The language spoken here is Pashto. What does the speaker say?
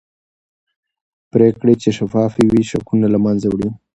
پرېکړې چې شفافې وي شکونه له منځه وړي